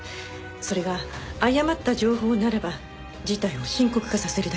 それが誤った情報ならば事態を深刻化させるだけです。